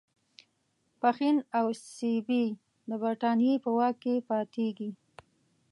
پښین او سیبی د برټانیې په واک کې پاتیږي.